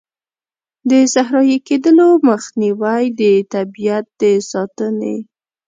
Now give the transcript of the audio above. د صحرایې کیدلو مخنیوی، د طبیعیت د ساتنې.